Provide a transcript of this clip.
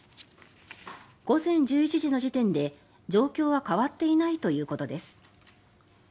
午前１１時の時点で、状況は変わっていないということです。